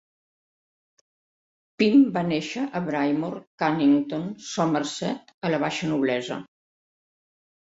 Pym va néixer a Brymore, Cannington, Somerset, a la baixa noblesa.